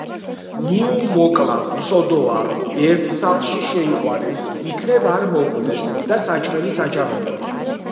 - ნუ მოკლავთ, ცოდოა, ერთ სახლში შეიყვანეთ, იქნებ არ მოკვდეს და საჭმელიც აჭამეთო!